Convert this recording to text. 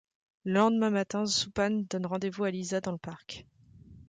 Le lendemain matin Zsupan donne rendez-vous à Lisa dans le parc.